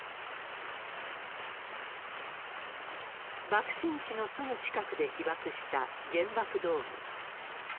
爆心地のすぐ近くで被爆した原爆ドーム。